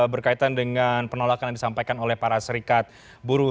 berkaitan dengan penolakan yang disampaikan oleh para serikat buruh